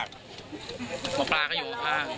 ลุงพลชู่